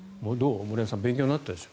森山さん勉強になったでしょう。